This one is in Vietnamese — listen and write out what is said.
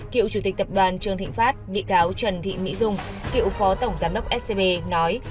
cựu chủ tịch tập đoàn trương thịnh pháp bị cáo trần thị mỹ dung cựu phó tổng giám đốc scb nói